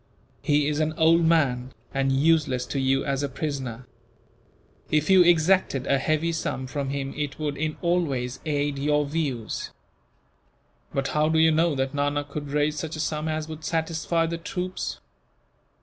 He is an old man, and useless to you as a prisoner. If you exacted a heavy sum from him it would, in all ways, aid your views." "But how do you know that Nana could raise such a sum as would satisfy the troops?"